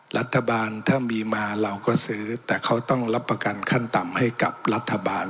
รัฐบาลถ้ามีมาเราก็ซื้อแต่เขาต้องรับประกันขั้นต่ำให้กับรัฐบาล